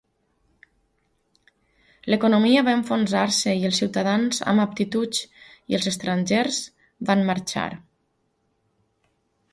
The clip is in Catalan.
L'economia va enfonsar-se i els ciutadans amb aptituds i els estrangers van marxar.